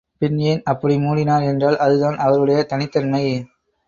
பின் ஏன் அப்படி மூடினார் என்றால், அதுதான் அவருடைய தனித்தன்மை.